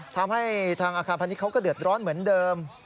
ทำให้ทางอาคารพาณิชยเขาก็เดือดร้อนเหมือนเดิม